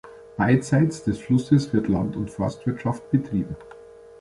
Beidseits des Flusses wird Land- und Forstwirtschaft betrieben.